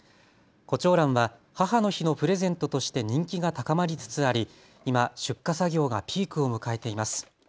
こちょうらんは母の日のプレゼントとして人気が高まりつつあり今、出荷作業がピークを迎えています。